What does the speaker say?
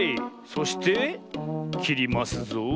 そしてきりますぞ。